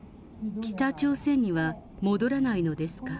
北朝鮮には戻らないのですか？